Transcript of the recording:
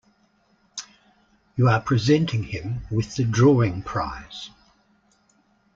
You are presenting him with the drawing prize.